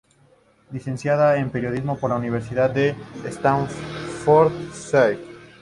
Licenciada en Periodismo por la Universidad de Staffordshire.